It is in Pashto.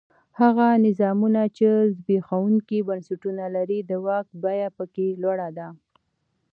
هغه نظامونه چې زبېښونکي بنسټونه لري د واک بیه په کې لوړه ده.